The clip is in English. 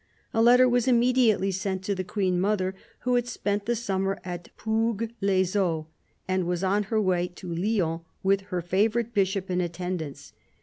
A letter was immediately sent to the Queen mother, who had spent the summer at Pougues les Eaux and was on her way to Lyons with her favourite Bishop in attendance.